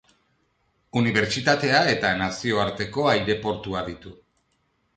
Unibertsitatea eta nazioarteko aireportua ditu.